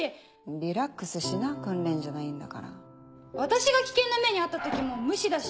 リラックスしな訓練じゃないんだから私が危険な目に遭った時も無視だし。